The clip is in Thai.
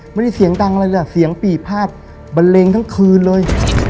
ไม่ได้เสียงดังอะไรเลยเสียงปีบพาดบันเลงทั้งคืนเลย